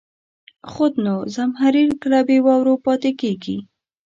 خود نو، زمهریر کله بې واورو پاتې کېږي.